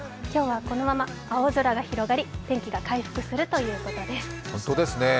今日はこのまま青空が広がり天気が回復するということです。